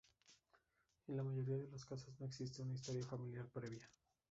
En la mayoría de los casos no existe una historia familiar previa.